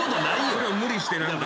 それを無理して何か。